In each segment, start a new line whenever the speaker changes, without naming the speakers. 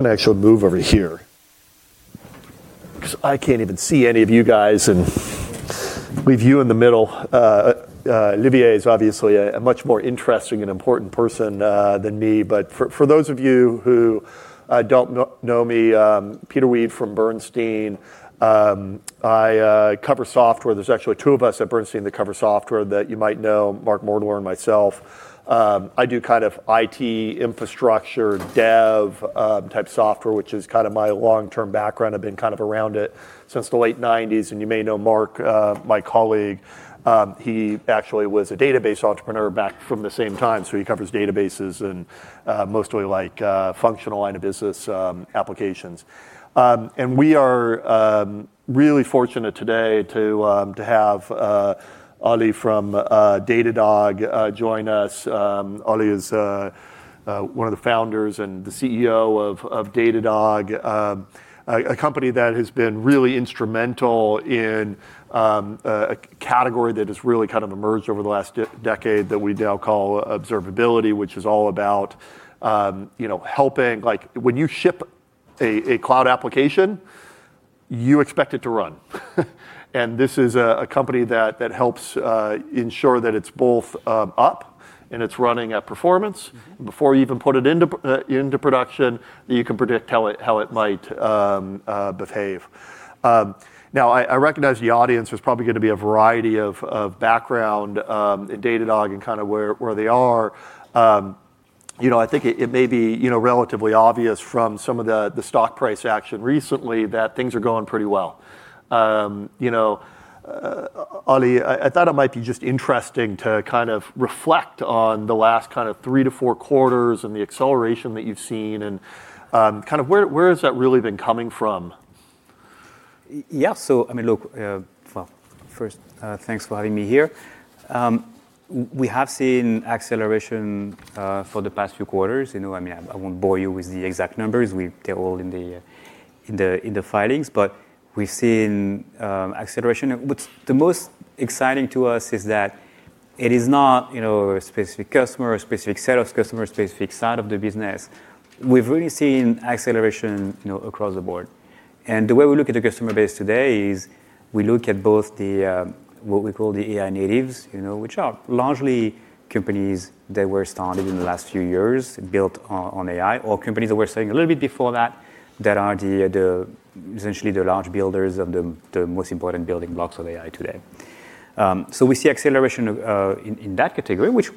I'm going to actually move over here because I can't even see any of you guys, and with you in the middle. Olivier is obviously a much more interesting and important person than me. For those of you who don't know me, I'm Peter Weed from Bernstein. I cover software. There's actually two of us at Bernstein that cover software that you might know, Mark Moerdler and myself. I do kind of IT infrastructure, dev-type software, which is kind of my long-term background. I've been kind of around it since the late '90s. You may know Mark, my colleague. He actually was a database entrepreneur back from the same time, so he covers databases and mostly functional line-of-business applications. We are really fortunate today to have Ollie from Datadog join us. Ollie is one of the founders and the CEO of Datadog, a company that has been really instrumental in a category that has really kind of emerged over the last decade that we now call observability, which is all about helping. When you ship a cloud application, you expect it to run. This is a company that helps ensure that it's both up and it's running at performance. Before you even put it into production, you can predict how it might behave. I recognize the audience is probably going to be a variety of background in Datadog and kind of where they are. I think it may be relatively obvious from some of the stock price action recently that things are going pretty well. Ollie, I thought it might be just interesting to kind of reflect on the last three to four quarters and the acceleration that you've seen, and where has that really been coming from?
Yeah. Look, first, thanks for having me here. We have seen acceleration for the past few quarters. I won't bore you with the exact numbers. They're all in the filings. We've seen acceleration. What's the most exciting to us is that it is not a specific customer, a specific set of customers, a specific side of the business. We've really seen acceleration across the board. The way we look at the customer base today is we look at both what we call the AI natives, which are largely companies that were started in the last few years, built on AI, or companies that were selling a little bit before that are essentially the large builders of the most important building blocks of AI today. We see acceleration in that category, which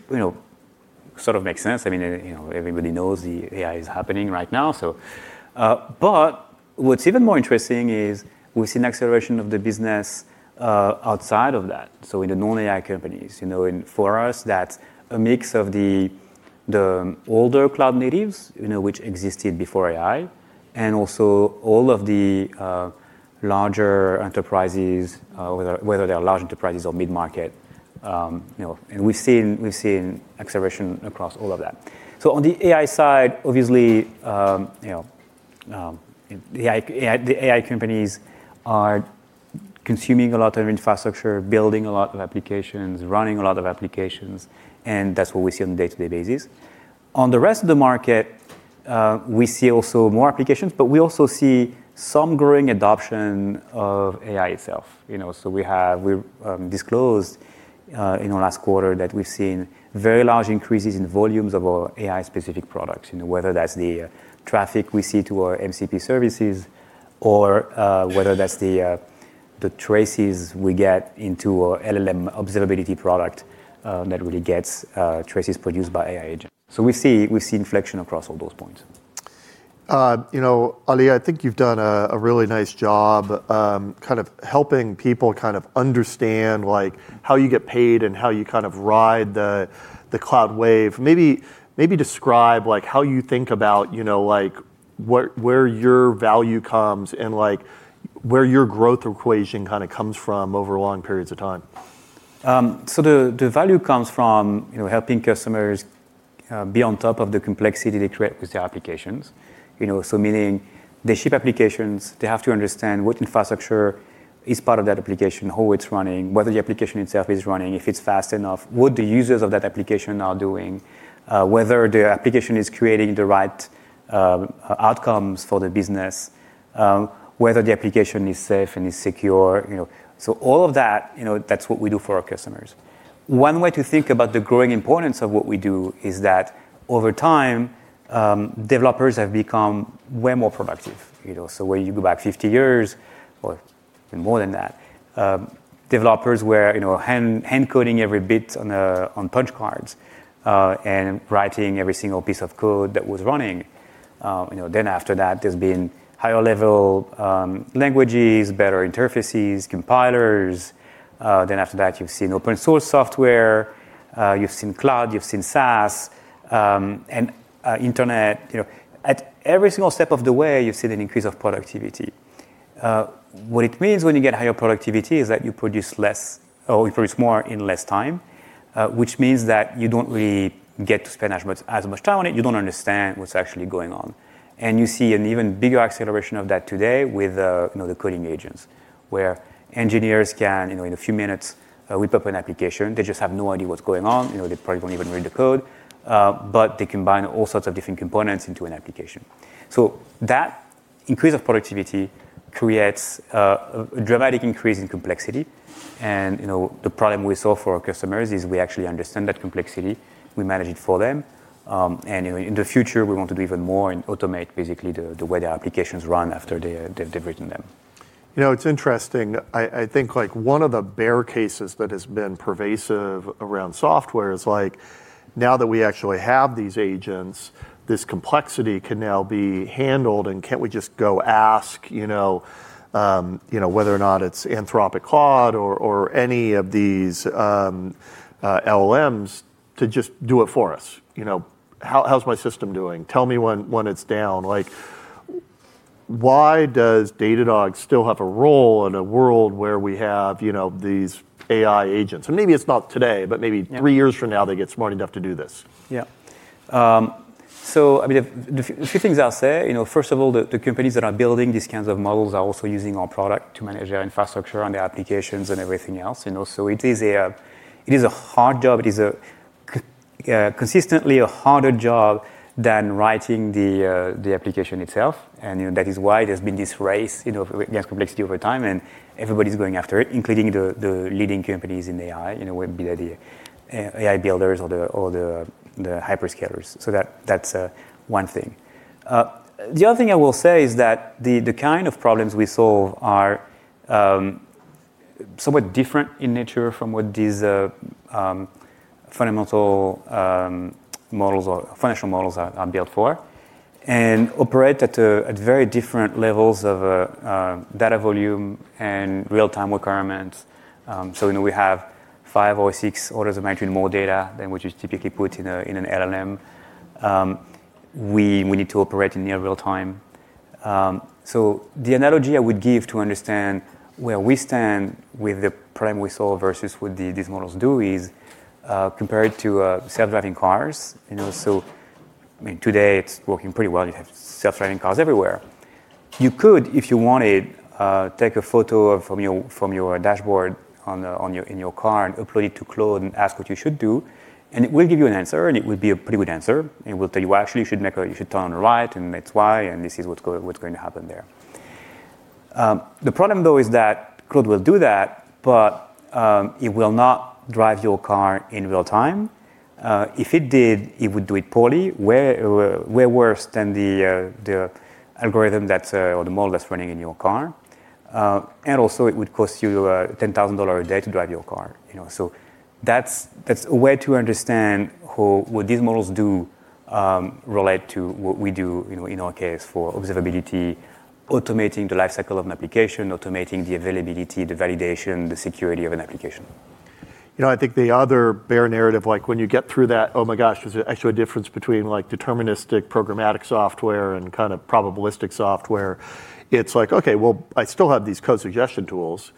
sort of makes sense. Everybody knows AI is happening right now. What's even more interesting is we've seen acceleration of the business outside of that, so in the non-AI companies. For us, that's a mix of the older cloud natives, which existed before AI, and also all of the larger enterprises, whether they are large enterprises or mid-market. We've seen acceleration across all of that. On the AI side, obviously, the AI companies are consuming a lot of infrastructure, building a lot of applications, running a lot of applications, and that's what we see on a day-to-day basis. On the rest of the market, we see also more applications, but we also see some growing adoption of AI itself. We've disclosed in our last quarter that we've seen very large increases in volumes of our AI-specific products, whether that's the traffic we see to our MCP services or whether that's the traces we get into our LLM Observability product that really gets traces produced by AI agents. We see inflection across all those points.
Ollie, I think you've done a really nice job helping people kind of understand how you get paid and how you kind of ride the cloud wave. Maybe describe how you think about where your value comes and where your growth equation kind of comes from over long periods of time.
The value comes from helping customers be on top of the complexity they create with their applications. Meaning they ship applications, they have to understand what infrastructure is part of that application, how it's running, whether the application itself is running, if it's fast enough, what the users of that application are doing, whether the application is creating the right outcomes for the business, whether the application is safe and is secure. All of that's what we do for our customers. One way to think about the growing importance of what we do is that over time, developers have become way more productive. When you go back 50 years, or even more than that, developers were hand-coding every bit on punch cards and writing every single piece of code that was running. After that, there's been higher-level languages, better interfaces, compilers. After that, you've seen open source software, you've seen cloud, you've seen SaaS, and internet. At every single step of the way, you've seen an increase of productivity. What it means when you get higher productivity is that you produce more in less time, which means that you don't really get to spend as much time on it. You don't understand what's actually going on. You see an even bigger acceleration of that today with the coding agents, where engineers can, in a few minutes, whip up an application. They just have no idea what's going on. They probably don't even read the code. They combine all sorts of different components into an application. That increase of productivity creates a dramatic increase in complexity. The problem we solve for our customers is we actually understand that complexity, we manage it for them. In the future, we want to do even more and automate basically the way their applications run after they've written them.
It's interesting. I think one of the bear cases that has been pervasive around software is like now that we actually have these agents, this complexity can now be handled, and can't we just go ask whether or not it's Anthropic Claude or any of these LLMs to just do it for us. How's my system doing? Tell me when it's down. Why does Datadog still have a role in a world where we have these AI agents? Maybe it's not today, but maybe three years from now, they get smart enough to do this.
Yeah. A few things I'll say. First of all, the companies that are building these kinds of models are also using our product to manage their infrastructure and their applications and everything else. It is a hard job. It is consistently a harder job than writing the application itself. That is why there's been this race against complexity over time, and everybody's going after it, including the leading companies in AI, be they AI builders or the hyperscalers. That's one thing. The other thing I will say is that the kind of problems we solve are somewhat different in nature from what these fundamental models or foundational models are built for, and operate at very different levels of data volume and real-time requirements. We have five or six orders of magnitude more data than what is typically put in an LLM. We need to operate in near real time. The analogy I would give to understand where we stand with the problem we solve versus what these models do is compare it to self-driving cars. Today it's working pretty well. You have self-driving cars everywhere. You could, if you wanted, take a photo from your dashboard in your car and upload it to Claude and ask what you should do, and it will give you an answer, and it would be a pretty good answer. It will tell you, "Well, actually you should turn on the right, and that's why, and this is what's going to happen there." The problem, though, is that Claude will do that, but it will not drive your car in real time. If it did, it would do it poorly, way worse than the algorithm or the model that's running in your car. Also it would cost you $10,000 a day to drive your car. That's a way to understand what these models do relate to what we do, in our case, for observability, automating the life cycle of an application, automating the availability, the validation, the security of an application.
I think the other bear narrative, when you get through that, oh my gosh, there's actually a difference between deterministic programmatic software and kind of probabilistic software. It's like, okay, well, I still have these code suggestion tools,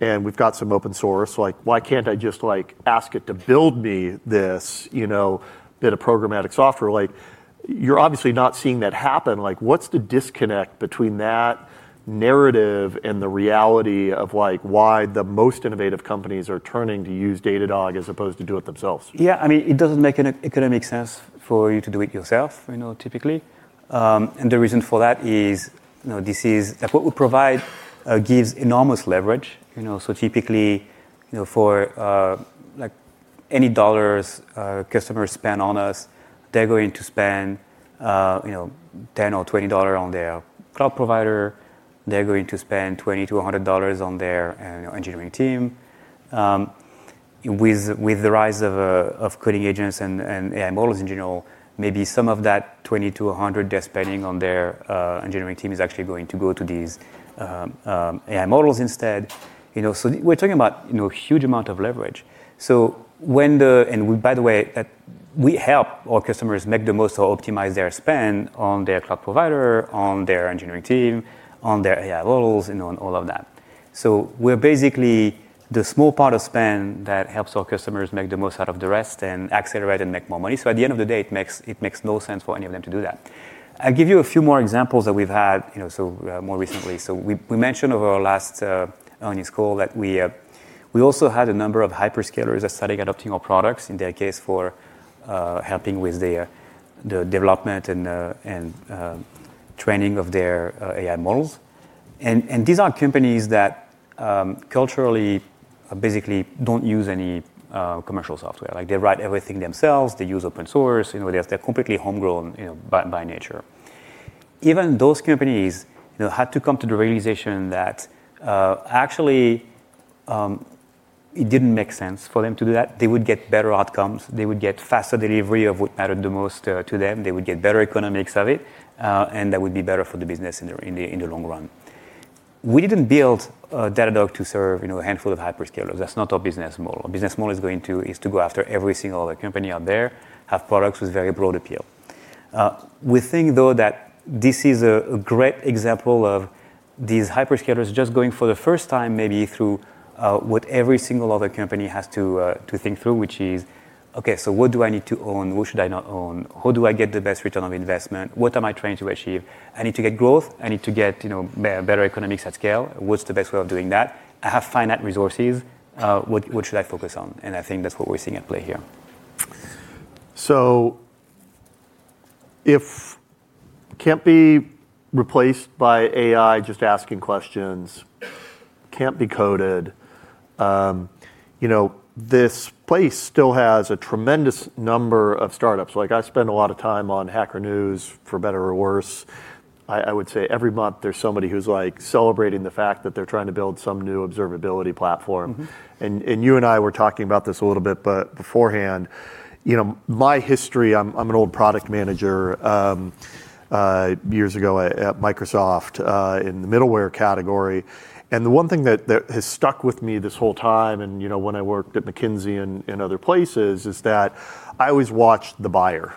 and we've got some open source. Why can't I just ask it to build me this bit of programmatic software? You're obviously not seeing that happen. What's the disconnect between that narrative and the reality of why the most innovative companies are turning to use Datadog as opposed to do it themselves?
Yeah, it doesn't make economic sense for you to do it yourself, typically. The reason for that is that what we provide gives enormous leverage. Typically, for any dollars customers spend on us, they're going to spend $10 or $20 on their cloud provider. They're going to spend $20 to $100 on their engineering team. With the rise of coding agents and AI models in general, maybe some of that $20 to $100 they're spending on their engineering team is actually going to go to these AI models instead. We're talking about huge amount of leverage. By the way, we help our customers make the most or optimize their spend on their cloud provider, on their engineering team, on their AI models, and on all of that. We're basically the small part of spend that helps our customers make the most out of the rest and accelerate and make more money. At the end of the day, it makes no sense for any of them to do that. I'll give you a few more examples that we've had more recently. We mentioned over our last earnings call that we also had a number of hyperscalers that started adopting our products, in their case, for helping with the development and training of their AI models. These are companies that culturally, basically don't use any commercial software. They write everything themselves. They use open source. They're completely homegrown by nature. Even those companies had to come to the realization that actually, it didn't make sense for them to do that. They would get better outcomes. They would get faster delivery of what mattered the most to them. They would get better economics of it. That would be better for the business in the long run. We didn't build Datadog to serve a handful of hyperscalers. That's not our business model. Our business model is to go after every single other company out there, have products with very broad appeal. We think, though, that this is a great example of these hyperscalers just going for the first time, maybe through what every single other company has to think through, which is, okay, so what do I need to own? What should I not own? How do I get the best return on investment? What am I trying to achieve? I need to get growth. I need to get better economics at scale. What's the best way of doing that? I have finite resources. What should I focus on? I think that's what we're seeing at play here.
If can't be replaced by AI, just asking questions, can't be coded. This place still has a tremendous number of startups. I spend a lot of time on Hacker News, for better or worse. I would say every month there's somebody who's celebrating the fact that they're trying to build some new observability platform. You and I were talking about this a little bit, but beforehand, my history, I'm an old product manager, years ago at Microsoft, in the middleware category. The one thing that has stuck with me this whole time, and when I worked at McKinsey and other places, is that I always watched the buyer.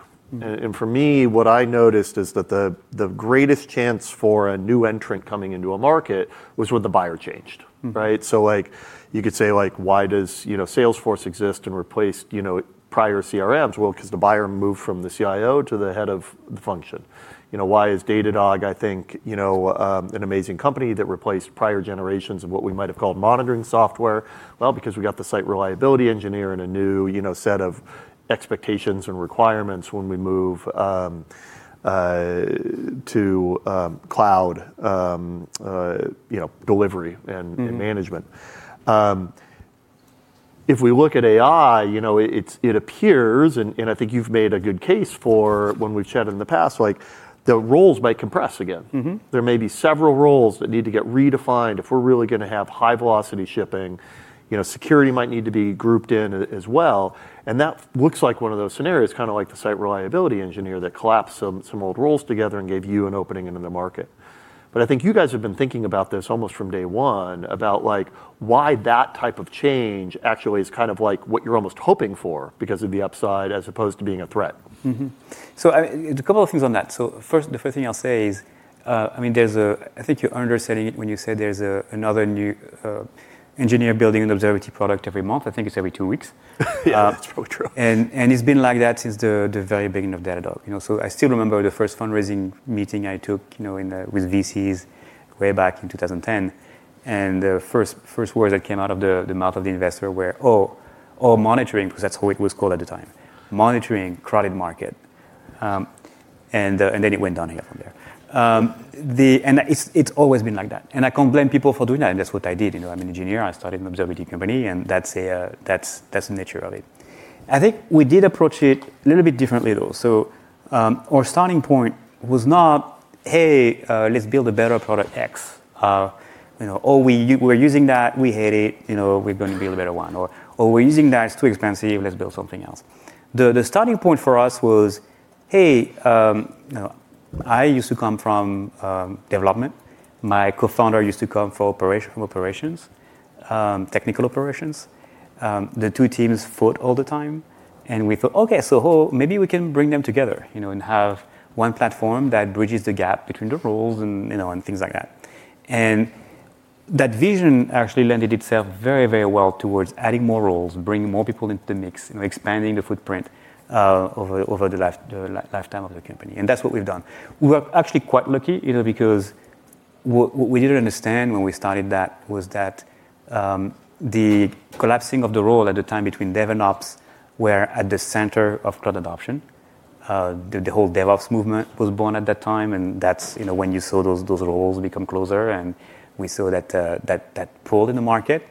For me, what I noticed is that the greatest chance for a new entrant coming into a market was when the buyer changed, right? You could say, why does Salesforce exist and replace prior CRMs? Because the buyer moved from the CIO to the head of the function. Why is Datadog, I think, an amazing company that replaced prior generations of what we might have called monitoring software? Because we got the site reliability engineer and a new set of expectations and requirements when we move to cloud delivery. and management. If we look at AI, it appears, and I think you've made a good case for when we've chatted in the past, the roles might compress again. There may be several roles that need to get redefined if we're really going to have high velocity shipping. Security might need to be grouped in as well, and that looks like one of those scenarios, kind of like the site reliability engineer that collapsed some old roles together and gave you an opening into the market. I think you guys have been thinking about this almost from day one, about why that type of change actually is what you're almost hoping for because of the upside as opposed to being a threat.
Mm-hmm. A couple of things on that. The first thing I'll say is, I think you're underselling it when you say there's another new engineer building an observability product every month. I think it's every two weeks.
Yeah, that's probably true.
It's been like that since the very beginning of Datadog. I still remember the first fundraising meeting I took with VCs way back in 2010. The first words that came out of the mouth of the investor were, "Oh, monitoring," because that's what it was called at the time. "Monitoring, crowded market." It went downhill from there. It's always been like that, and I can't blame people for doing that, and that's what I did. I'm an engineer. I started an observability company, and that's the nature of it. I think we did approach it a little bit differently, though. Our starting point was not, "Hey, let's build a better product X." "We're using that, we hate it, we're going to build a better one." "We're using that, it's too expensive, let's build something else." The starting point for us was, hey, I used to come from development. My co-founder used to come from operations, technical operations. The two teams fought all the time, and we thought, "Okay, so maybe we can bring them together, and have one platform that bridges the gap between the roles and things like that." That vision actually lended itself very well towards adding more roles, bringing more people into the mix, expanding the footprint over the lifetime of the company, and that's what we've done. We were actually quite lucky because what we didn't understand when we started that was that the collapsing of the role at the time between dev and ops were at the center of cloud adoption. The whole DevOps movement was born at that time, and that's when you saw those roles become closer, and we saw that pull in the market.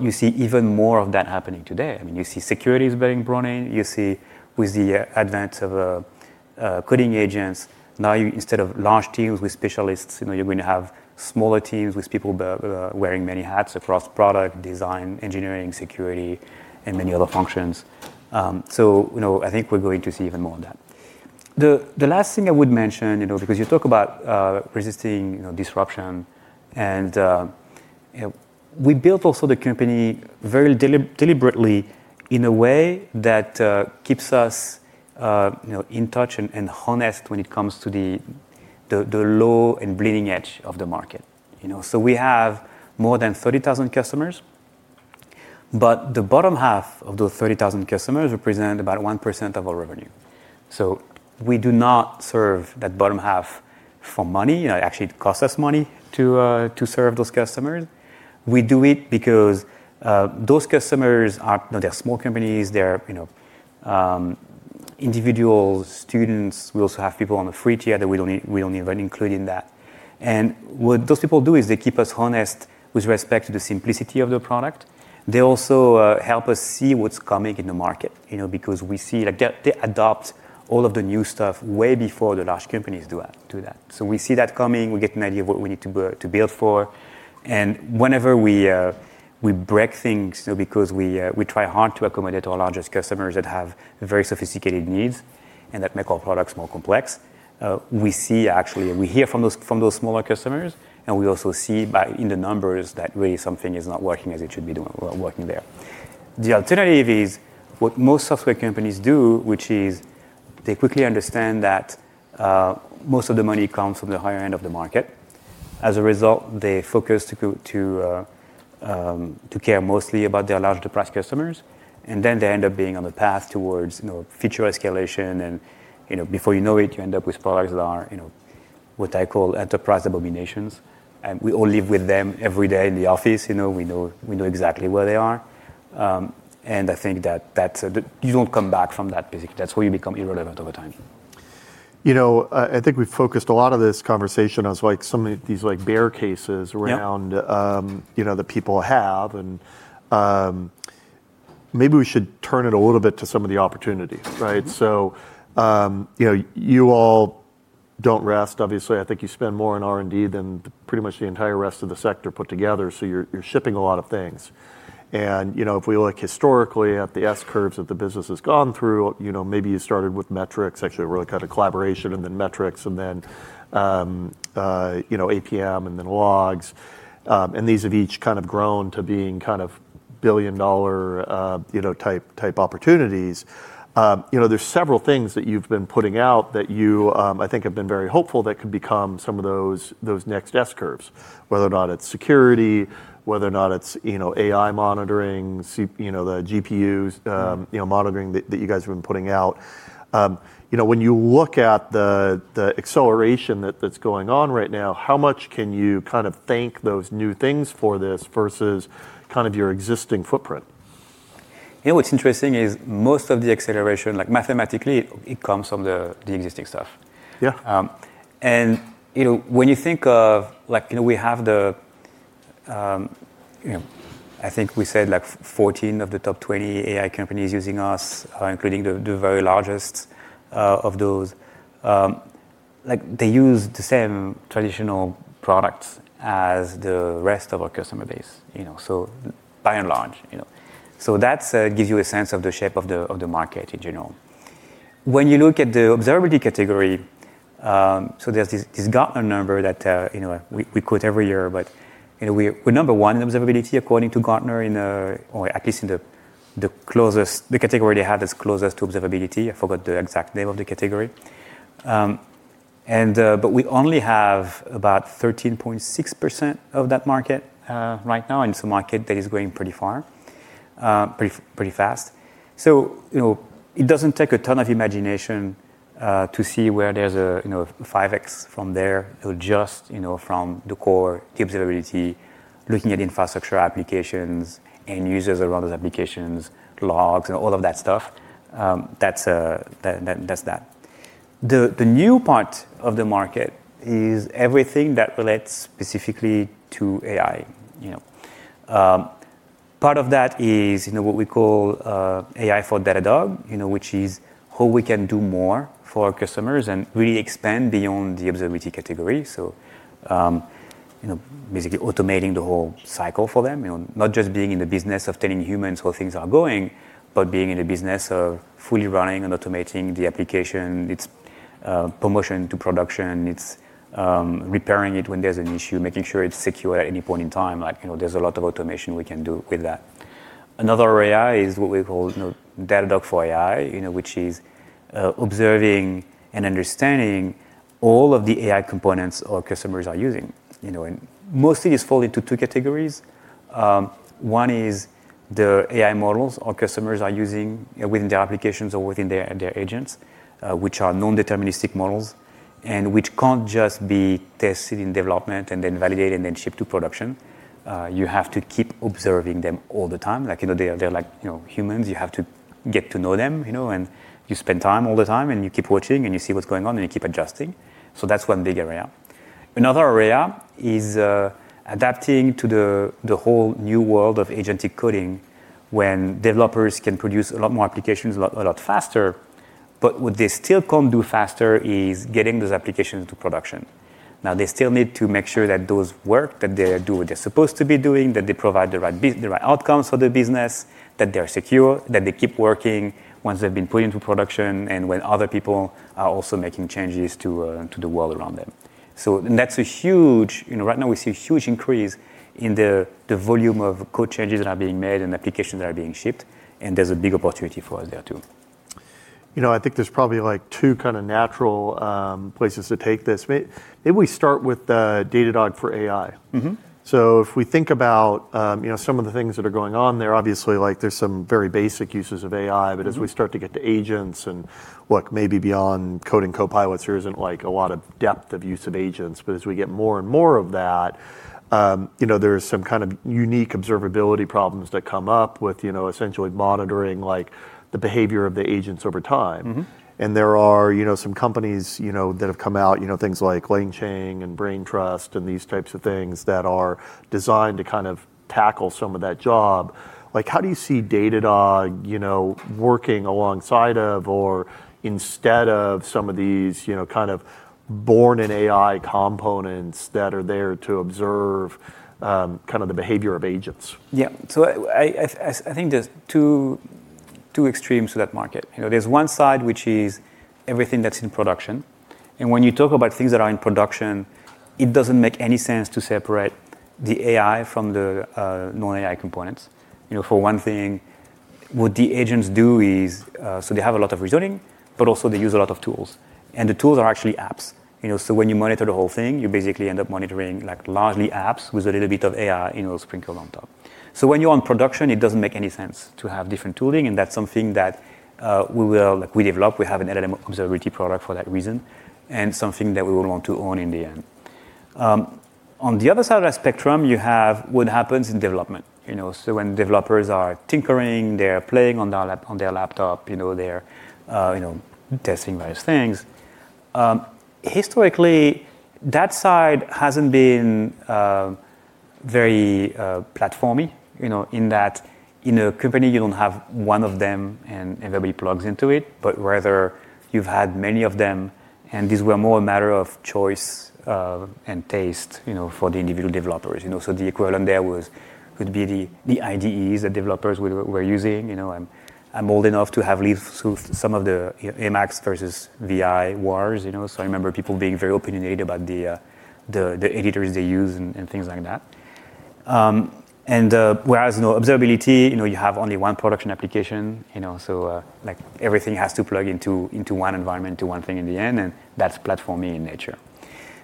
You see even more of that happening today. You see security is being brought in. You see with the advent of coding agents now, instead of large teams with specialists, you're going to have smaller teams with people wearing many hats across product design, engineering, security, and many other functions. I think we're going to see even more on that. The last thing I would mention, because you talk about resisting disruption, and we built also the company very deliberately in a way that keeps us in touch and honest when it comes to the low and bleeding edge of the market. We have more than 30,000 customers, but the bottom half of those 30,000 customers represent about 1% of our revenue. We do not serve that bottom half for money. Actually, it costs us money to serve those customers. We do it because those customers are small companies. They're individuals, students. We also have people on the free tier that we don't even include in that. What those people do is they keep us honest with respect to the simplicity of the product. They also help us see what's coming in the market. We see they adopt all of the new stuff way before the large companies do that. We see that coming. We get an idea of what we need to build for. Whenever we break things, because we try hard to accommodate our largest customers that have very sophisticated needs and that make our products more complex, we see actually, and we hear from those smaller customers, and we also see in the numbers that really something is not working as it should be working there. The alternative is what most software companies do, which is they quickly understand that most of the money comes from the higher end of the market. As a result, they focus to care mostly about their large enterprise customers, they end up being on the path towards feature escalation. Before you know it, you end up with products that are what I call enterprise abominations. We all live with them every day in the office. We know exactly where they are. I think that you don't come back from that, basically. That's where you become irrelevant over time.
I think we've focused a lot of this conversation on some of these bear cases.
Yeah
that people have. Maybe we should turn it a little bit to some of the opportunities, right? You all don't rest, obviously. I think you spend more on R&D than pretty much the entire rest of the sector put together, so you're shipping a lot of things. If we look historically at the S-curves that the business has gone through, maybe you started with metrics, actually, really kind of collaboration and then metrics and then APM and then logs. These have each kind of grown to being kind of billion-dollar type opportunities. There's several things that you've been putting out that you, I think, have been very hopeful that could become some of those next S-curves. Whether or not it's security, whether or not it's AI monitoring, the GPUs monitoring that you guys have been putting out. When you look at the acceleration that's going on right now, how much can you thank those new things for this versus your existing footprint?
What's interesting is most of the acceleration, mathematically, it comes from the existing stuff.
Yeah.
When you think of we have the I think we said 14 of the top 20 AI companies using us, including the very largest of those. They use the same traditional products as the rest of our customer base. By and large. That gives you a sense of the shape of the market in general. When you look at the observability category, there's this Gartner number that we quote every year, but we're number one in observability according to Gartner, or at least the category they have that's closest to observability. I forgot the exact name of the category. We only have about 13.6% of that market right now, and it's a market that is growing pretty far, pretty fast. It doesn't take a ton of imagination to see where there's a 5X from there to just from the core, the observability, looking at infrastructure applications, end users around those applications, logs, and all of that stuff. That's that. The new part of the market is everything that relates specifically to AI. Part of that is what we call AI for Datadog, which is how we can do more for our customers and really expand beyond the observability category. Basically automating the whole cycle for them. Not just being in the business of telling humans how things are going, but being in the business of fully running and automating the application, its promotion to production, its repairing it when there's an issue, making sure it's secure at any point in time. There's a lot of automation we can do with that. Another area is what we call Datadog for AI, which is observing and understanding all of the AI components our customers are using. Mostly, this fall into two categories. One is the AI models our customers are using within their applications or within their agents, which are non-deterministic models, and which can't just be tested in development and then validated and then shipped to production. You have to keep observing them all the time. They're like humans. You have to get to know them, and you spend time all the time, and you keep watching, and you see what's going on, and you keep adjusting. That's one big area. Another area is adapting to the whole new world of agentic coding, when developers can produce a lot more applications a lot faster. What they still can't do faster is getting those applications to production. They still need to make sure that those work, that they do what they're supposed to be doing, that they provide the right outcomes for the business, that they're secure, that they keep working once they've been put into production, and when other people are also making changes to the world around them. That's a huge, right now we see a huge increase in the volume of code changes that are being made and applications that are being shipped. There's a big opportunity for us there, too.
I think there's probably two natural places to take this. Maybe we start with Datadog for AI. If we think about some of the things that are going on there, obviously, there's some very basic uses of AI. As we start to get to agents and what may be beyond coding copilots, there isn't a lot of depth of use of agents. As we get more and more of that, there are some kind of unique observability problems that come up with essentially monitoring the behavior of the agents over time. There are some companies that have come out, things like LangChain and Braintrust and these types of things that are designed to kind of tackle some of that job. How do you see Datadog working alongside of or instead of some of these kind of born-in-AI components that are there to observe the behavior of agents?
Yeah. I think there's two extremes to that market. There's one side, which is everything that's in production. When you talk about things that are in production, it doesn't make any sense to separate the AI from the non-AI components. For one thing, what the agents do is, they have a lot of reasoning, but also they use a lot of tools, and the tools are actually apps. When you monitor the whole thing, you basically end up monitoring largely apps with a little bit of AI sprinkled on top. When you're on production, it doesn't make any sense to have different tooling, and that's something that we developed. We have an LLM Observability product for that reason, and something that we will want to own in the end. On the other side of that spectrum, you have what happens in development. When developers are tinkering, they're playing on their laptop, they're testing various things. Historically, that side hasn't been very platformy, in that in a company you don't have one of them and everybody plugs into it, but rather you've had many of them, and these were more a matter of choice and taste for the individual developers. The equivalent there would be the IDEs the developers were using. I'm old enough to have lived through some of the Emacs versus vi wars. I remember people being very opinionated about the editors they use and things like that. Whereas observability, you have only one production application, so everything has to plug into one environment, to one thing in the end, and that's platformy in nature.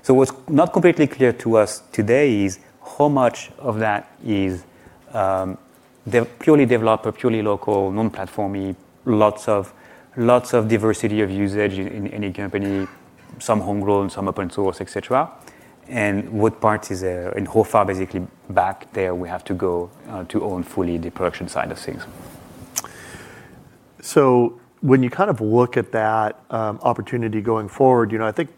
What's not completely clear to us today is how much of that is purely developer, purely local, non-platformy, lots of diversity of usage in any company, some homegrown, some open source, et cetera. What parts is there and how far basically back there we have to go to own fully the production side of things.
When you look at that opportunity going forward, I think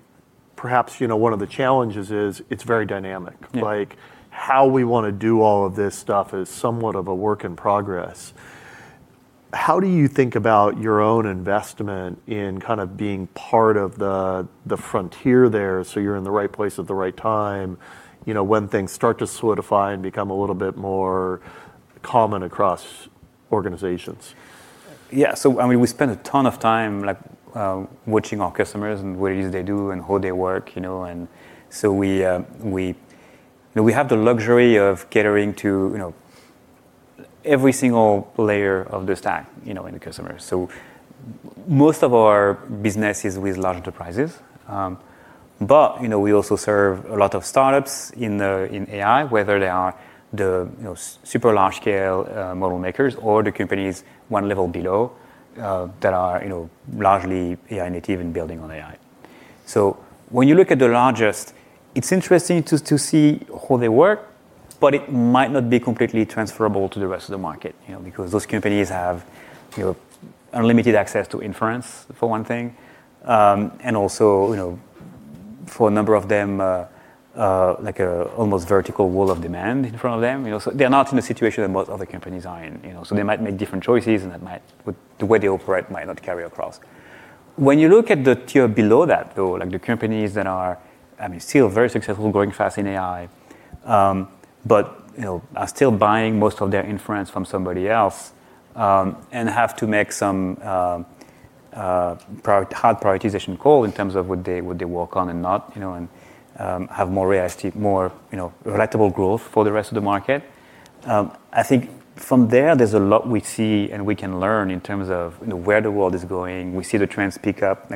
perhaps one of the challenges is it's very dynamic.
Yeah.
How we want to do all of this stuff is somewhat of a work in progress. How do you think about your own investment in being part of the frontier there, so you're in the right place at the right time, when things start to solidify and become a little bit more common across organizations?
We spend a ton of time watching our customers and what it is they do and how they work. We have the luxury of catering to every single layer of the stack in the customer. Most of our business is with large enterprises. We also serve a lot of startups in AI, whether they are the super large scale model makers or the companies one level below, that are largely AI native and building on AI. When you look at the largest, it's interesting to see how they work, but it might not be completely transferable to the rest of the market. Because those companies have unlimited access to inference, for one thing. For a number of them, like a almost vertical wall of demand in front of them. They're not in a situation that most other companies are in. They might make different choices and the way they operate might not carry across. When you look at the tier below that, though, the companies that are still very successful, growing fast in AI, but are still buying most of their inference from somebody else, and have to make some hard prioritization call in terms of what they work on and not, and have more relatable growth for the rest of the market. I think from there's a lot we see and we can learn in terms of where the world is going. We see the trends pick up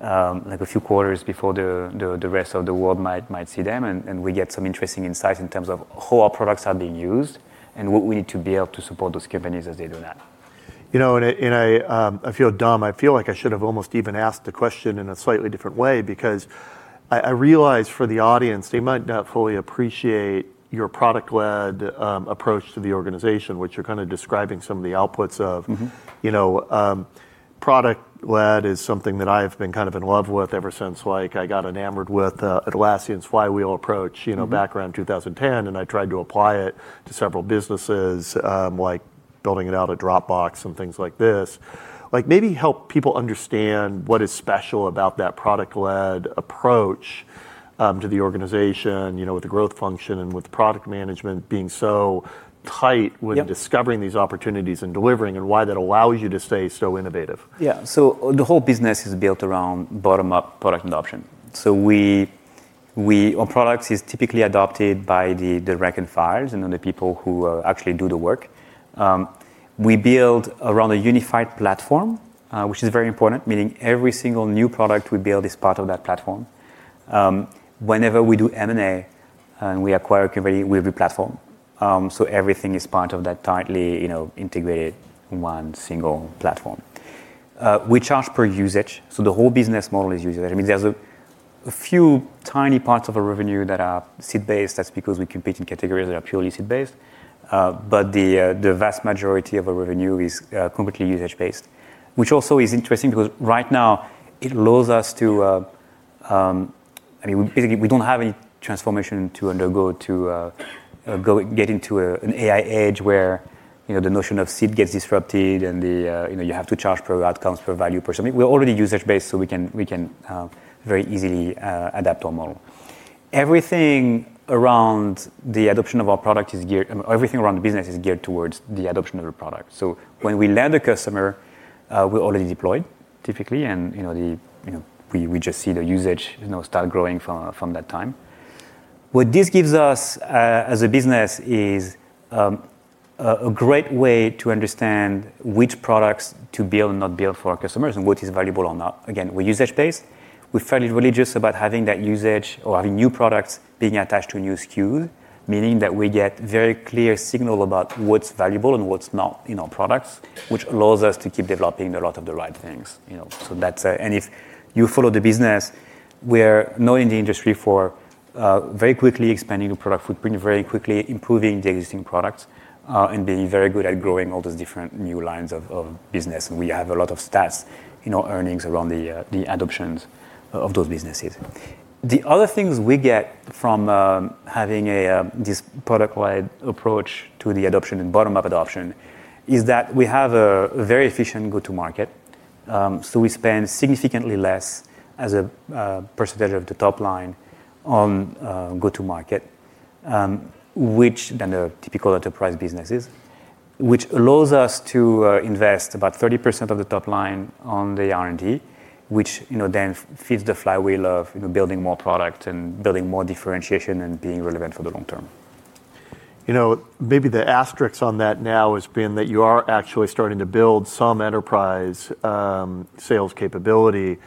a few quarters before the rest of the world might see them and we get some interesting insights in terms of how our products are being used and what we need to be able to support those companies as they do that.
I feel dumb. I feel like I should have almost even asked the question in a slightly different way, because I realize for the audience, they might not fully appreciate your product-led approach to the organization, which you're describing some of the outputs of. Product-led is something that I've been in love with ever since I got enamored with Atlassian's flywheel approach. Back around 2010, I tried to apply it to several businesses, like building it out of Dropbox and things like this. Maybe help people understand what is special about that product-led approach to the organization, with the growth function and with product management being so tight.
Yep
discovering these opportunities and delivering and why that allows you to stay so innovative.
Yeah. The whole business is built around bottom-up product adoption. Our product is typically adopted by the rank and file and the people who actually do the work. We build around a unified platform, which is very important, meaning every single new product we build is part of that platform. Whenever we do M&A and we acquire a company, we replatform. Everything is part of that tightly integrated in one single platform. We charge per usage, so the whole business model is usage. There's a few tiny parts of our revenue that are seat-based. That's because we compete in categories that are purely seat-based. The vast majority of our revenue is completely usage-based, which also is interesting because right now it allows us to Basically, we don't have any transformation to undergo to get into an AI age where the notion of seat gets disrupted and you have to charge per outcomes, per value, per something. We're already usage-based, we can very easily adapt our model. Everything around the business is geared towards the adoption of the product. When we land a customer, we're already deployed typically, and we just see the usage start growing from that time. What this gives us as a business is a great way to understand which products to build and not build for our customers, and which is valuable or not. Again, we're usage-based. We're fairly religious about having that usage or having new products being attached to a new SKU, meaning that we get very clear signal about what's valuable and what's not in our products, which allows us to keep developing a lot of the right things. If you follow the business, we're known in the industry for very quickly expanding a product footprint, very quickly improving the existing product, and being very good at growing all those different new lines of business. We have a lot of stats in our earnings around the adoptions of those businesses. The other things we get from having this product-wide approach to the adoption and bottom-up adoption is that we have a very efficient go-to market. We spend significantly less as a % of the top line on go-to market, than the typical enterprise businesses. Which allows us to invest about 30% of the top line on the R&D, which then feeds the flywheel of building more product and building more differentiation, and being relevant for the long term.
Maybe the asterisk on that now has been that you are actually starting to build some enterprise sales capability.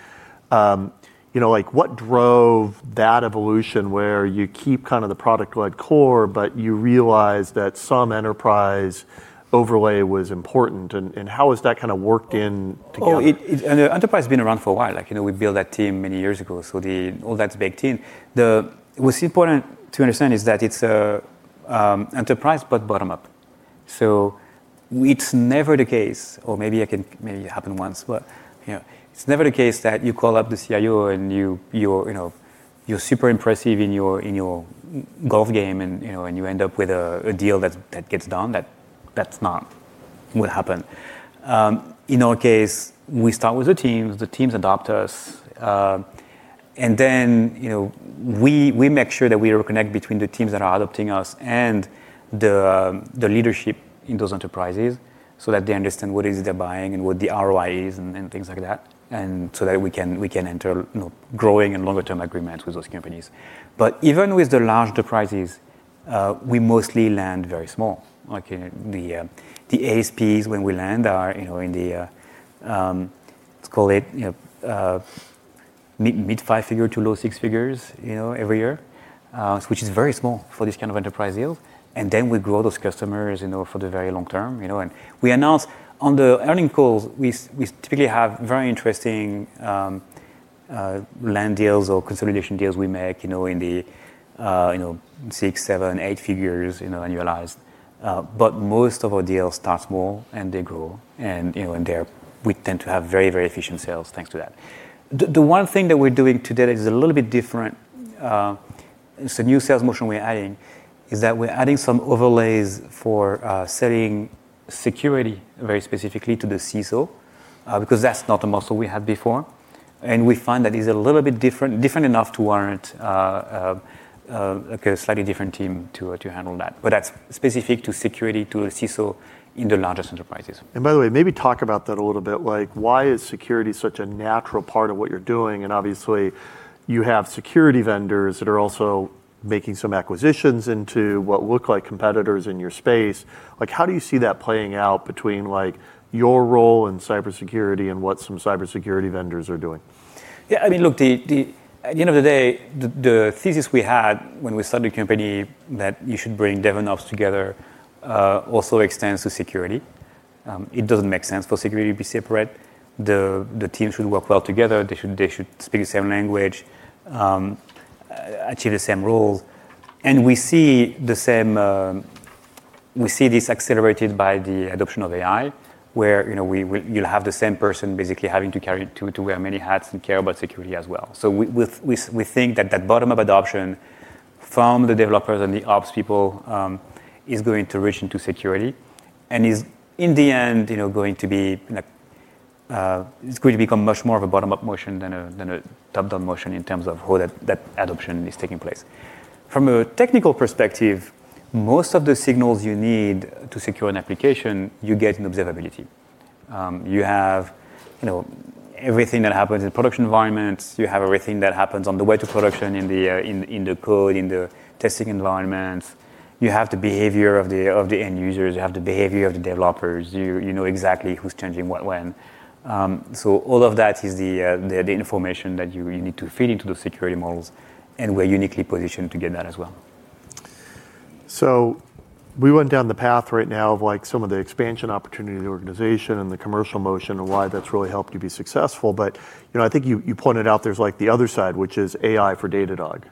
What drove that evolution where you keep kind of the product-led core, but you realize that some enterprise overlay was important, and how has that kind of worked in together?
Oh, enterprise has been around for a while. We built that team many years ago, so all that's a big team. What's important to understand is that it's enterprise, but bottom-up. It's never the case, or maybe it happened once. It's never the case that you call up the CIO and you're super impressive in your golf game, and you end up with a deal that gets done. That's not what happened. In our case, we start with the teams, the teams adopt us, then we make sure that we connect between the teams that are adopting us and the leadership in those enterprises, so that they understand what is it they're buying and what the ROI is and things like that, so that we can enter growing and longer term agreements with those companies. Even with the large enterprises, we mostly land very small. Like in the ASPs, when we land, are in the, let's call it mid five figure to low six figures every year. Which is very small for this kind of enterprise deal. Then we grow those customers for the very long term. We announce on the earning calls, we typically have very interesting land deals or consolidation deals we make in the six, seven, eight figures annualized. Most of our deals start small and they grow, and we tend to have very efficient sales thanks to that. The one thing that we're doing today that is a little bit different, it's a new sales motion we're adding, is that we're adding some overlays for selling security very specifically to the CISO, because that's not the muscle we had before. We find that it's a little bit different enough to warrant a slightly different team to handle that. That's specific to security, to a CISO in the largest enterprises.
By the way, maybe talk about that a little bit, like why is security such a natural part of what you're doing? Obviously you have security vendors that are also making some acquisitions into what look like competitors in your space. How do you see that playing out between your role in cybersecurity and what some cybersecurity vendors are doing?
Yeah, look, at the end of the day, the thesis we had when we started the company that you should bring DevOps together, also extends to security. It doesn't make sense for security to be separate. The teams should work well together. They should speak the same language, achieve the same roles. We see this accelerated by the adoption of AI, where you'll have the same person basically having to wear many hats and care about security as well. We think that that bottom-up adoption from the developers and the ops people, is going to reach into security, and is, in the end, it's going to become much more of a bottom-up motion than a top-down motion in terms of how that adoption is taking place. From a technical perspective, most of the signals you need to secure an application, you get in observability. You have everything that happens in production environments. You have everything that happens on the way to production in the code, in the testing environment. You have the behavior of the end users. You have the behavior of the developers. You know exactly who's changing what, when. All of that is the information that you really need to feed into those security models, and we're uniquely positioned to get that as well.
We went down the path right now of some of the expansion opportunity, the organization, and the commercial motion and why that's really helped you be successful. I think you pointed out there's the other side, which is AI for Datadog.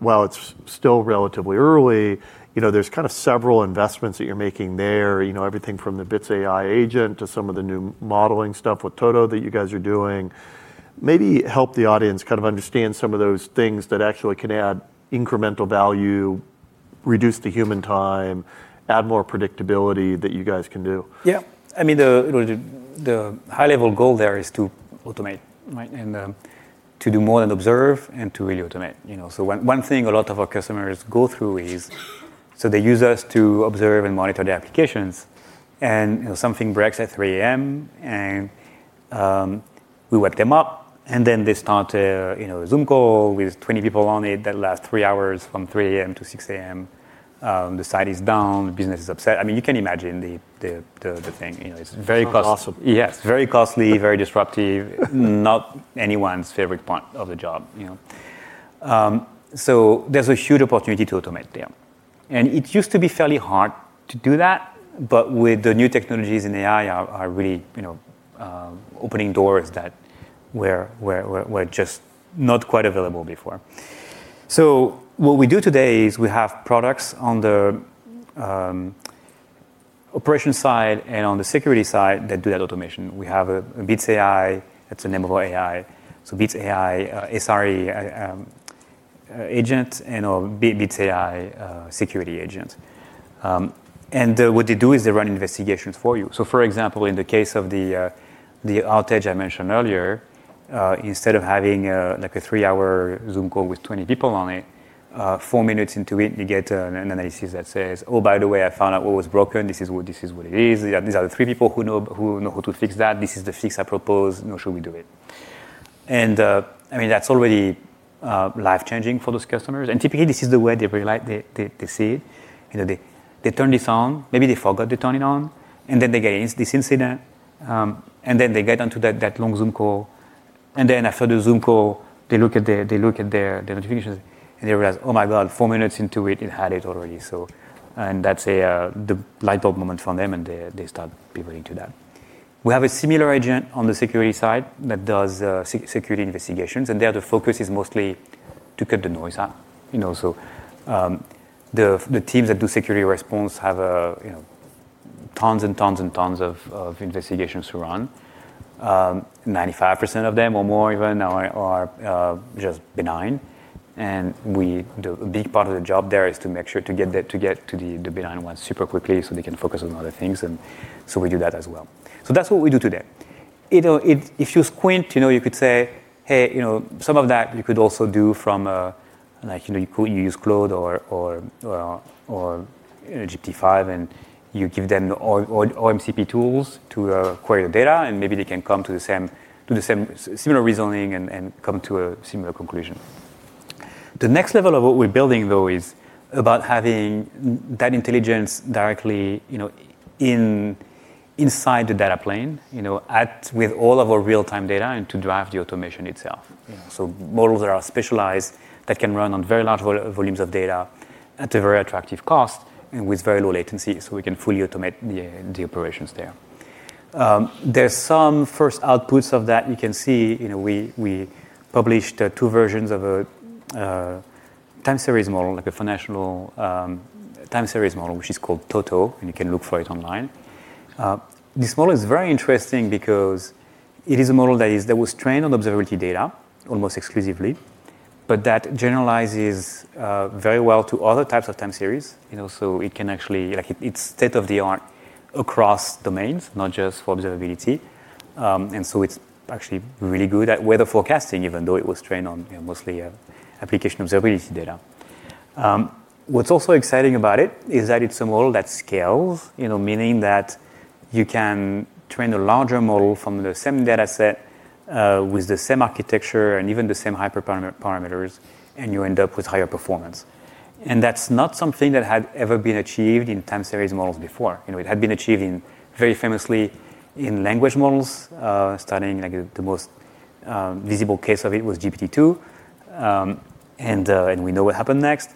While it's still relatively early, there's kind of several investments that you're making there. Everything from the Bits AI agent to some of the new modeling stuff with Toto that you guys are doing. Maybe help the audience kind of understand some of those things that actually can add incremental value, reduce the human time, add more predictability that you guys can do.
Yeah. The high level goal there is to automate, right? To do more than observe and to really automate. One thing a lot of our customers go through is, they use us to observe and monitor the applications, and something breaks at 3:00 A.M. We wake them up. Then they start a Zoom call with 20 people on it that lasts three hours from 3:00 A.M. to 6:00 A.M. The site is down, the business is upset. You can imagine the thing.
It's very costly.
Yes. Very costly, very disruptive, not anyone's favorite part of the job. There's a huge opportunity to automate there. It used to be fairly hard to do that, but with the new technologies in AI are really opening doors that were just not quite available before. What we do today is we have products on the operation side and on the security side that do that automation. We have a Bits AI, that's the name of our AI, Bits AI SRE agent, and our Bits AI security agent. What they do is they run investigations for you. For example, in the case of the outage I mentioned earlier, instead of having a three-hour Zoom call with 20 people on it, four minutes into it, you get an analysis that says, "Oh, by the way, I found out what was broken. This is what it is. These are the three people who know how to fix that. This is the fix I propose. Should we do it?" That's already life-changing for those customers. Typically, this is the way they see it. They turn this on, maybe they forgot to turn it on, they get this incident, they get onto that long Zoom call. After the Zoom call, they look at their notifications, they realize, "Oh my God, four minutes into it had it already." That's the light bulb moment for them, they start pivoting to that. We have a similar agent on the security side that does security investigations, and there, the focus is mostly to cut the noise out. The teams that do security response have tons and tons and tons of investigations to run. 95% of them, or more even, are just benign. A big part of the job there is to make sure to get to the benign ones super quickly so they can focus on other things. We do that as well. That's what we do today. If you squint, you could say, some of that you could also do from, actually you could use Claude or GPT-5, and you give them OMCP tools to query the data, and maybe they can come to the similar reasoning and come to a similar conclusion. The next level of what we're building, though, is about having that intelligence directly inside the data plane, with all of our real-time data, and to drive the automation itself.
Yeah.
Models that are specialized that can run on very large volumes of data at a very attractive cost and with very low latency, so we can fully automate the operations there. There is some first outputs of that you can see. We published two versions of a time series model, like a foundational time series model, which is called Toto, and you can look for it online. This model is very interesting because it is a model that was trained on observability data almost exclusively, but that generalizes very well to other types of time series. It is state of the art across domains, not just for observability. It is actually really good at weather forecasting, even though it was trained on mostly application observability data. What's also exciting about it is that it's a model that scales, meaning that you can train a larger model from the same dataset, with the same architecture and even the same hyperparameters, and you end up with higher performance. That's not something that had ever been achieved in time series models before. It had been achieved very famously in language models, starting the most visible case of it was GPT-2. We know what happened next.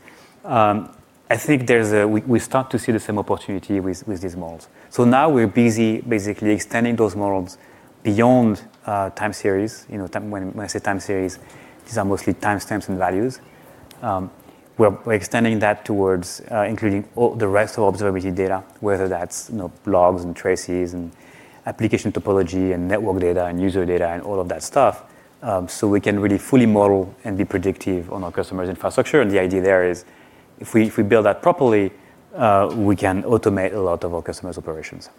I think we start to see the same opportunity with these models. Now we're busy basically extending those models beyond time series. When I say time series, these are mostly timestamps and values. We're extending that towards including the rest of observability data, whether that's logs and traces and application topology and network data and user data and all of that stuff, so we can really fully model and be predictive on our customers' infrastructure. The idea there is, if we build that properly, we can automate a lot of our customers' operations.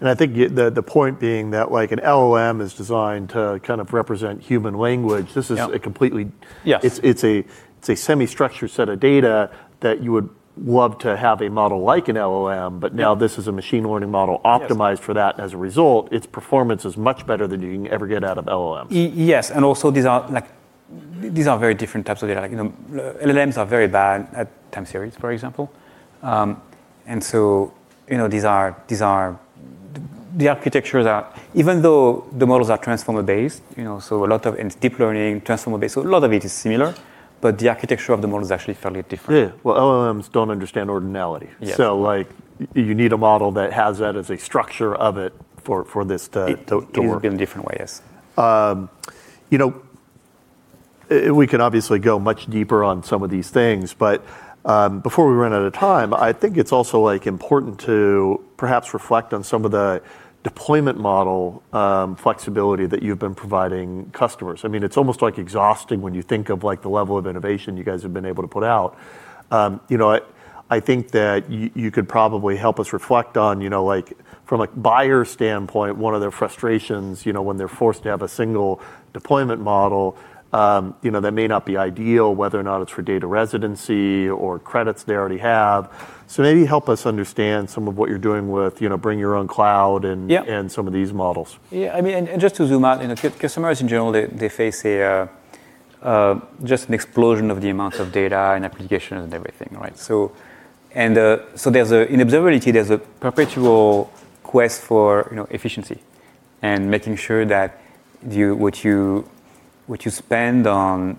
I think the point being that an LLM is designed to represent human language.
Yeah.
It's a semi-structured set of data that you would love to have a model like an LLM, but now this is a machine learning model optimized for that. As a result, its performance is much better than you can ever get out of LLMs.
Yes. Also, these are very different types of data. LLMs are very bad at time series, for example. Even though the models are transformer-based, and it's deep learning, transformer-based, so a lot of it is similar, but the architecture of the model is actually fairly different.
Yeah. Well, LLMs don't understand ordinality.
Yes.
You need a model that has that as a structure of it for this to work.
It can be different ways.
We can obviously go much deeper on some of these things, but before we run out of time, I think it's also important to perhaps reflect on some of the deployment model flexibility that you've been providing customers. It's almost exhausting when you think of the level of innovation you guys have been able to put out. I think that you could probably help us reflect on, from a buyer standpoint, one of their frustrations when they're forced to have a single deployment model that may not be ideal, whether or not it's for data residency or credits they already have. So maybe help us understand some of what you're doing with Bring Your Own Cloud.
Yeah
Some of these models.
Yeah. Just to zoom out, customers in general, they face just an explosion of the amount of data and applications and everything, right? In observability, there's a perpetual quest for efficiency and making sure that what you spend on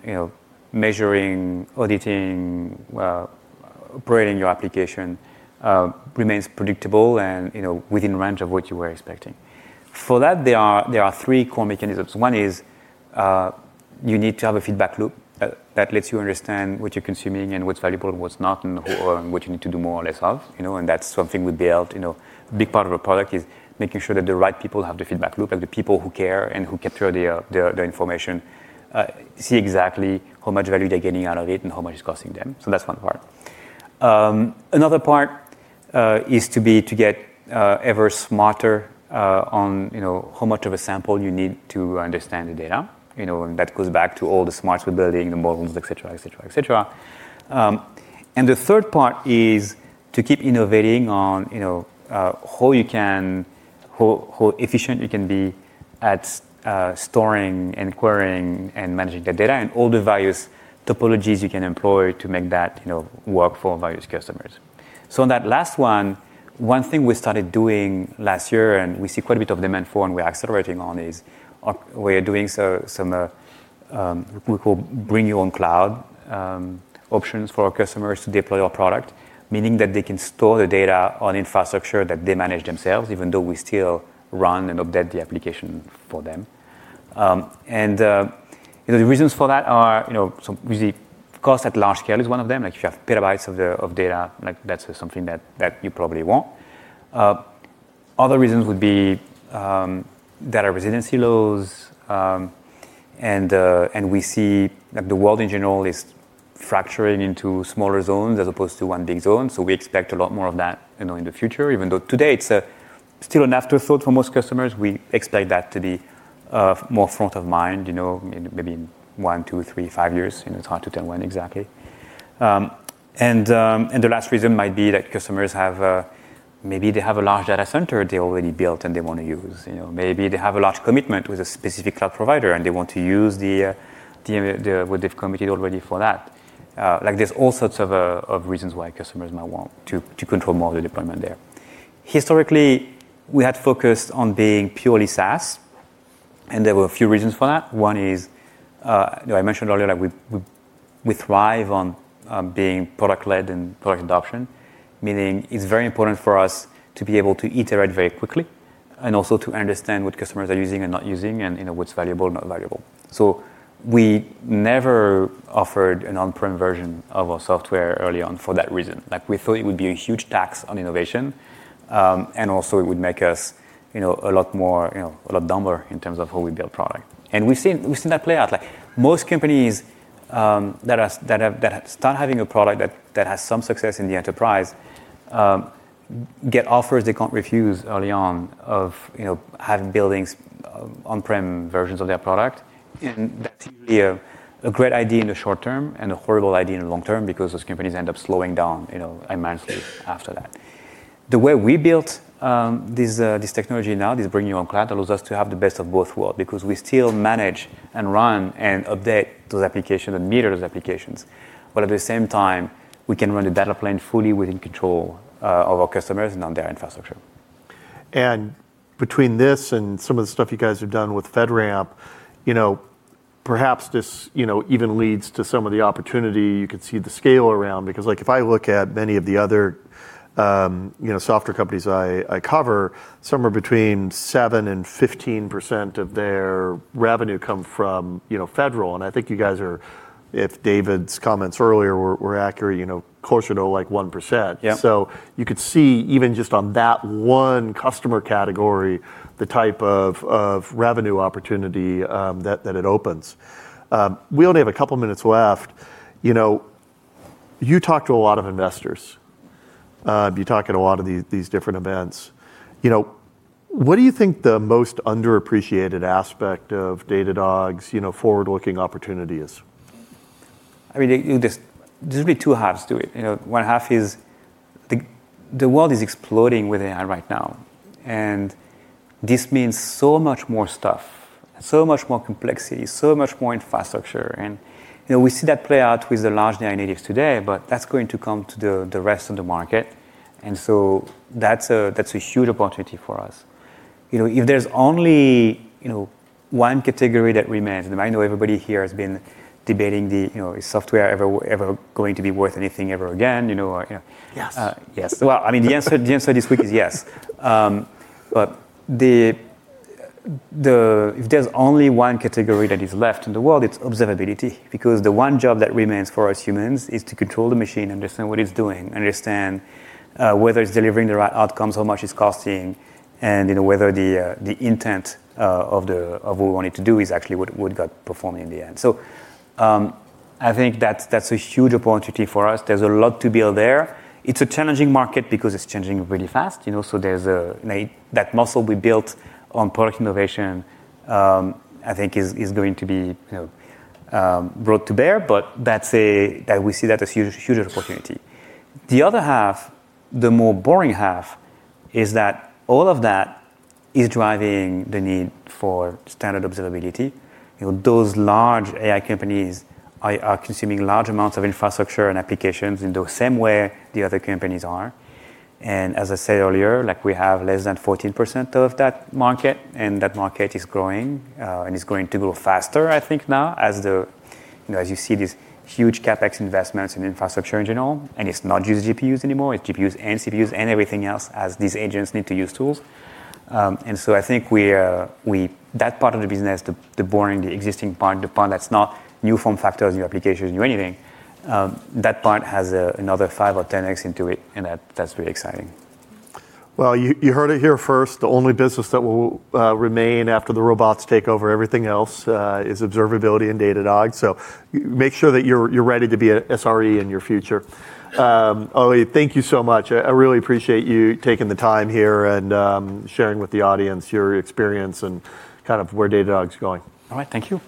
measuring, auditing, operating your application remains predictable and within range of what you were expecting. For that, there are three core mechanisms. One is you need to have a feedback loop that lets you understand what you're consuming and what's valuable and what's not, and what you need to do more or less of. That's something we built. A big part of our product is making sure that the right people have the feedback loop, and the people who care and who capture their information see exactly how much value they're getting out of it and how much it's costing them. That's one part. Another part is to get ever smarter on how much of a sample you need to understand the data. That goes back to all the smarts we're building, the models, et cetera. The third part is to keep innovating on how efficient you can be at storing and querying and managing that data, and all the various topologies you can employ to make that work for various customers. On that last one thing we started doing last year, and we see quite a bit of demand for and we're accelerating on, is we're doing some what we call Bring Your Own Cloud options for our customers to deploy our product. Meaning that they can store the data on infrastructure that they manage themselves, even though we still run and update the application for them. The reasons for that are, obviously, cost at large scale is one of them. If you have petabytes of data, that's something that you probably want. Other reasons would be data residency laws, and we see that the world in general is fracturing into smaller zones as opposed to one big zone, so we expect a lot more of that in the future. Even though today it's still an afterthought for most customers, we expect that to be more front of mind maybe in one, two, three, five years. It's hard to tell when exactly. The last reason might be that customers, maybe they have a large data center they already built and they want to use. Maybe they have a large commitment with a specific cloud provider, and they want to use what they've committed already for that. There's all sorts of reasons why customers might want to control more of the deployment there. Historically, we had focused on being purely SaaS. There were a few reasons for that. One is, I mentioned earlier, we thrive on being product-led and product adoption, meaning it's very important for us to be able to iterate very quickly and also to understand what customers are using and not using, and what's valuable and not valuable. We never offered an on-prem version of our software early on for that reason. We thought it would be a huge tax on innovation, and also it would make us a lot dumber in terms of how we build product. We've seen that play out. Most companies that start having a product that has some success in the enterprise get offers they can't refuse early on of building on-prem versions of their product. That's usually a great idea in the short term and a horrible idea in the long term because those companies end up slowing down immensely after that. The way we built this technology now, this Bring Your Own Cloud, allows us to have the best of both worlds because we still manage and run and update those applications and meter those applications. At the same time, we can run a data plane fully within control of our customers and on their infrastructure.
Between this and some of the stuff you guys have done with FedRAMP, perhaps this even leads to some of the opportunity you could see the scale around, because if I look at many of the other software companies I cover, somewhere between 7% and 15% of their revenue come from federal. I think you guys are, if David's comments earlier were accurate, closer to 1%.
Yeah.
You could see even just on that one customer category, the type of revenue opportunity that it opens. We only have a couple minutes left. You talk to a lot of investors. You talk at a lot of these different events. What do you think the most underappreciated aspect of Datadog's forward-looking opportunity is?
There's really two halves to it. One half is the world is exploding with AI right now. This means so much more stuff, so much more complexity, so much more infrastructure. We see that play out with the large AI natives today. That's going to come to the rest of the market. That's a huge opportunity for us. If there's only one category that remains, I know everybody here has been debating is software ever going to be worth anything ever again?
Yes.
Yes. Well, the answer this week is yes. If there's only one category that is left in the world, it's observability. Because the one job that remains for us humans is to control the machine, understand what it's doing, understand whether it's delivering the right outcomes, how much it's costing, and whether the intent of what we want it to do is actually what it would get performed in the end. I think that's a huge opportunity for us. There's a lot to build there. It's a challenging market because it's changing really fast, so there's that muscle we built on product innovation, I think is going to be brought to bear, but we see that as huge opportunity. The other half, the more boring half, is that all of that is driving the need for standard observability. Those large AI companies are consuming large amounts of infrastructure and applications in the same way the other companies are. As I said earlier, we have less than 14% of that market, and that market is growing. It's going to grow faster, I think now, as you see these huge CapEx investments in infrastructure in general, and it's not just GPUs anymore, it's GPUs and CPUs and everything else, as these agents need to use tools. I think that part of the business, the boring, the existing part, the part that's not new form factors, new applications, new anything, that part has another five or 10X into it, and that's very exciting.
Well, you heard it here first. The only business that will remain after the robots take over everything else is observability and Datadog. Make sure that you're ready to be an SRE in your future. Olivier, thank you so much. I really appreciate you taking the time here and sharing with the audience your experience and where Datadog's going.
All right. Thank you.